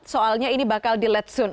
soalnya ini bakal di let zone